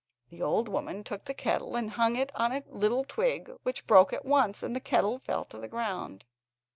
The old woman took the kettle and hung it on a little twig, which broke at once, and the kettle fell to the ground.